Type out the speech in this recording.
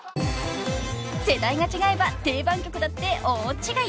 ［世代が違えば定番曲だって大違い］